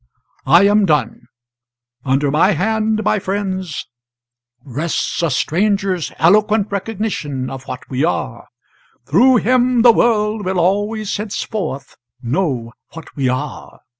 ] I am done. Under my hand, my friends, rests a stranger's eloquent recognition of what we are; through him the world will always henceforth know what we are.